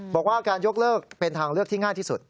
บอกว่าการยกเลิกเป็นทางเลือกที่ง่ายที่สุด